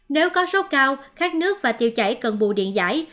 nếu có sốt cao khát nước và tiêu chảy